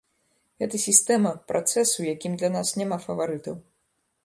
Гэта сістэма, працэс, у якім для нас няма фаварытаў.